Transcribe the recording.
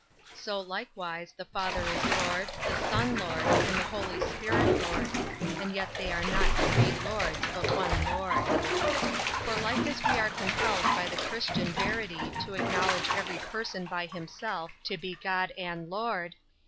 So likewise the Father is Lord, the Son Lord, and the Holy Spirit Lord; 18. And yet they are not three Lords but one Lord. 19. For like as we are compelled by the Christian verity to acknowledge every Person by himself to be God and Lord; 20.